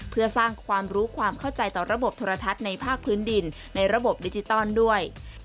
เพื่อสร้างความรู้ความเข้าใจต่อระบบโทรทัศน์ในภาคพื้นดินในระบบดิจิตอลด้วย